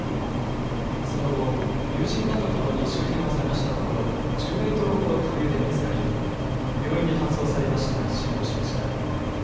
その後、友人らとともに周辺を捜したところ１０メートルほど下流で見つかり病院に搬送されましたが死亡しました。